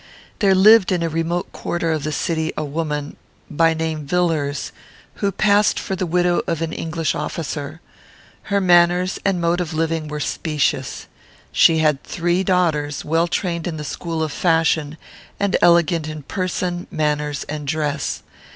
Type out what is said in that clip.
There lived in a remote quarter of the city a woman, by name Villars, who passed for the widow of an English officer. Her manners and mode of living were specious. She had three daughters, well trained in the school of fashion, and elegant in person, manners, and dress.